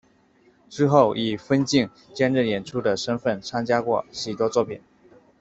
之后以分镜兼任演出的身分参加过许多作品。